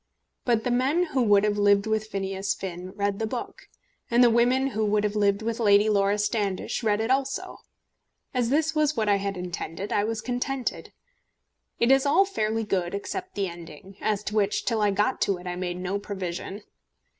But the men who would have lived with Phineas Finn read the book, and the women who would have lived with Lady Laura Standish read it also. As this was what I had intended, I was contented. It is all fairly good except the ending, as to which till I got to it I made no provision.